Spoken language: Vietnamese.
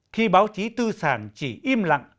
khi báo chí tư sản chỉ im lặng